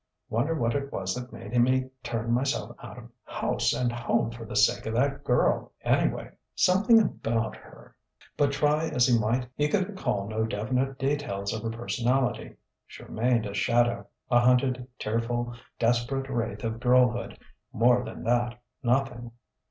"Wonder what it was that made me turn myself out of house and home for the sake of that girl, anyway? Something about her...." But try as he might he could recall no definite details of her personality. She remained a shadow a hunted, tearful, desperate wraith of girlhood: more than that, nothing.